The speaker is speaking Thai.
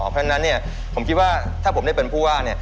เพราะฉะนั้นผมคิดว่าถ้าผมได้เป็นผู้ว่า